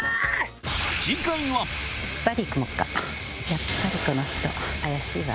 やっぱりこの人怪しいわ。